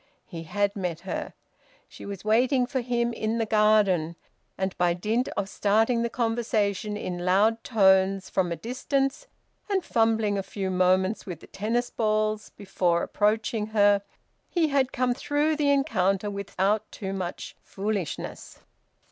He had met her. She was waiting for him in the garden, and by dint of starting the conversation in loud tones from a distance, and fumbling a few moments with the tennis balls before approaching her, he had come through the encounter without too much foolishness.